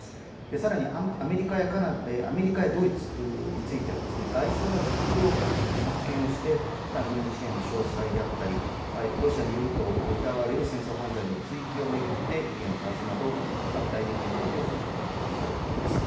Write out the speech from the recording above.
さらにアメリカやドイツについては外相など閣僚の派遣をしていて軍事支援の詳細であったりロシアによると疑われる戦争犯罪の追及に意見を交わすなど具体的な協議を進めているという状況です。